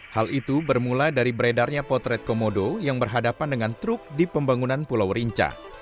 hal itu bermula dari beredarnya potret komodo yang berhadapan dengan truk di pembangunan pulau rinca